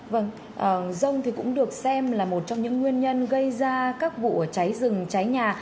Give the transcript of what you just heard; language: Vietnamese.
vâng rông thì cũng được xem là một trong những nguyên nhân gây ra các vụ cháy rừng cháy nhà